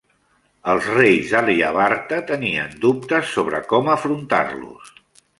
Els reis d'Aryavarta tenien dubtes sobre com afrontar-los.